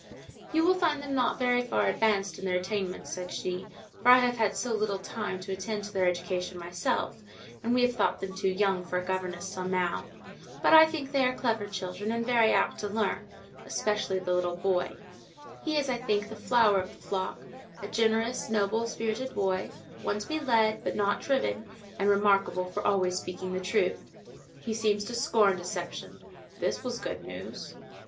"You will find them not very far advanced in their attainments," said she, "for I have had so little time to attend to their education myself, and we have thought them too young for a governess till now; but I think they are clever children, and very apt to learn, especially the little boy; he is, I think, the flower of the flock—a generous, noble spirited boy, one to be led, but not driven, and remarkable for always speaking the truth. He seems to scorn deception" (this was good news).